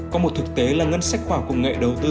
có một thực tế là ngân sách khoa học công nghệ đầu tư